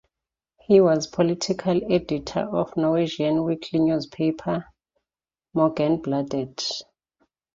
He was political editor of Norwegian weekly newspaper "Morgenbladet".